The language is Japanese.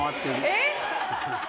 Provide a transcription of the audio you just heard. えっ！？